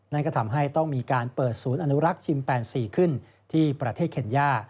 นั่นก็ทำให้ต้องมีการเปิดศูนย์อนุรักษ์ชิม๘๔ขึ้นที่ประเทศเคนย่า